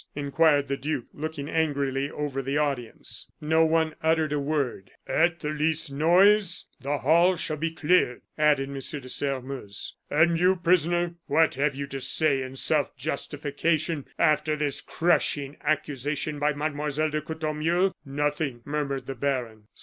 inquired the duke, looking angrily over the audience. No one uttered a word. "At the least noise the hall shall be cleared," added M. de Sairmeuse. "And you, prisoner, what have you to say in self justification, after this crushing accusation by Mademoiselle de Courtornieu?" "Nothing," murmured the baron.